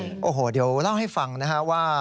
โอ้โหเดี๋ยวเล่าให้ฟังนะฮะว่า